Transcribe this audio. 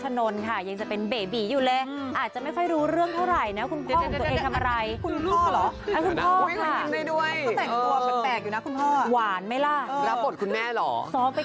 เสื้อแมวเสื้อหมาก็ใส่